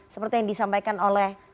seperti yang disampaikan oleh